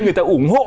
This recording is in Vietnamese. người ta ủng hộ